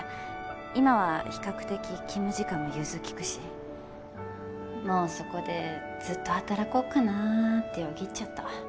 今は比較的勤務時間も融通きくもうそこでずっと働こうかなってよぎっちゃった。